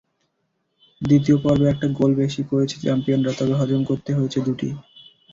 দ্বিতীয় পর্বে একটা গোল বেশি করেছে চ্যাম্পিয়নরা, তবে হজম করতে হয়েছে দুটি।